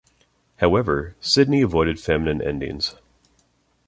However, Sidney avoided feminine endings.